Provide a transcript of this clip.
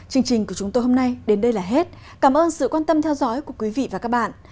chương trình của chúng tôi hôm nay đến đây là hết cảm ơn sự quan tâm theo dõi của quý vị và các bạn